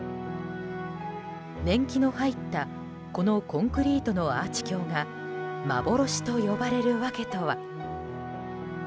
年季の入ったこのコンクリートのアーチ橋が幻と呼ばれる訳とは。